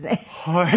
はい。